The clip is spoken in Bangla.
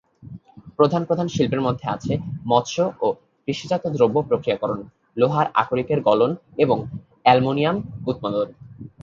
প্রধান প্রধান শিল্পের মধ্যে আছে মৎস্য ও কৃষিজাত দ্রব্য প্রক্রিয়াকরণ, লোহার আকরিকের গলন, এবং অ্যালুমিনিয়াম উৎপাদন।